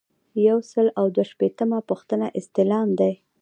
یو سل او دوه شپیتمه پوښتنه استعلام دی.